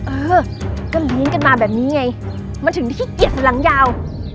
เออก็เลี้ยงกันมาแบบนี้ไงมันถึงที่ขี้เกียจหลังยาว